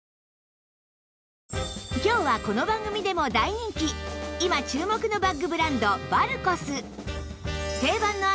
今日はこの番組でも大人気今注目のバッグブランドバルコス